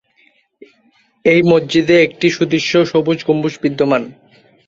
এই মসজিদে একটি সুদৃশ্য সবুজ গম্বুজ বিদ্যমান।